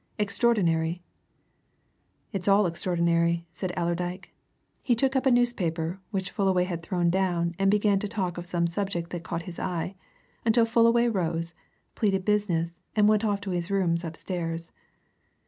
Extraordinary!" "It's all extraordinary," said Allerdyke. He took up a newspaper which Fullaway had thrown down and began to talk of some subject that caught his eye, until Fullaway rose, pleaded business, and went off to his rooms upstairs.